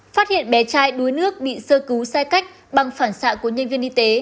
phát hiện bé trai đuối nước bị sơ cứu sai cách bằng phản xạ của nhân viên y tế